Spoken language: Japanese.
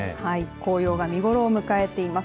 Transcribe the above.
紅葉が見頃を迎えています。